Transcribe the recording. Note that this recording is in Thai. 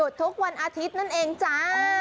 ทุกวันอาทิตย์นั่นเองจ้า